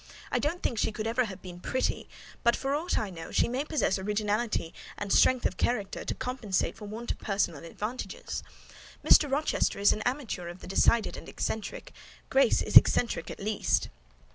I don't think she can ever have been pretty; but, for aught I know, she may possess originality and strength of character to compensate for the want of personal advantages. Mr. Rochester is an amateur of the decided and eccentric: Grace is eccentric at least.